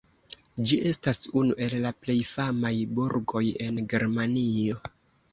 Ĝi estas unu el la plej famaj burgoj en Germanio.